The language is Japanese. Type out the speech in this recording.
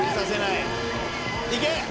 いけ！